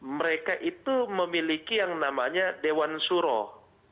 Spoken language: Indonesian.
mereka itu memiliki yang namanya dewan suroh